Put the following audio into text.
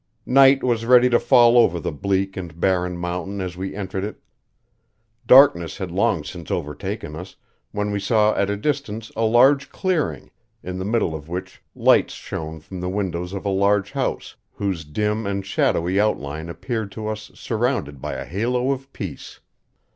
Night was ready to fall over the bleak and barren mountain as we entered it. Darkness had long since overtaken us, when we saw at a distance a large clearing, in the middle of which lights shone from the windows of a large house whose dim and shadowy outline appeared to us surrounded by a halo of peace.